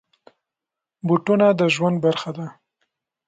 بوټونه د ژوند برخه ده.